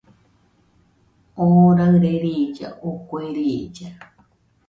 Oo raɨre riilla, o kue riilla